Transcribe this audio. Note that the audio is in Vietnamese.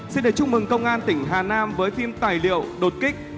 xin được chúc mừng công an tỉnh hà nam với phim tài liệu đột kích